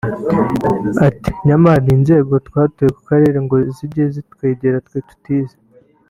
Ati “Nyamara hari inzego twatoye ku karere ngo zijye zitwegera twe tu tize